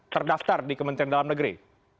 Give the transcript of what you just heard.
terdaftar di kementerian dalam negeri